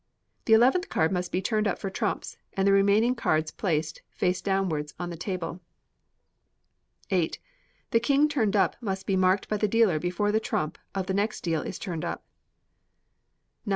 The eleventh card must be turned up for trumps; and the remaining cards placed, face downwards, on the table. viii. The king turned up must be marked by the dealer before the trump of the next deal is turned up. ix.